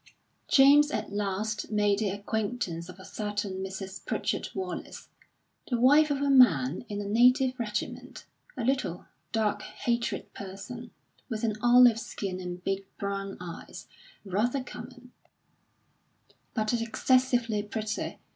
James at last made the acquaintance of a certain Mrs. Pritchard Wallace, the wife of a man in a native regiment, a little, dark hatred person, with an olive skin and big brown eyes rather common, but excessively pretty.